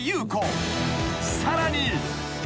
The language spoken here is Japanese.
［さらに］